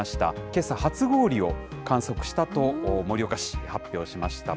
けさ、初氷を観測したと盛岡市、発表しました。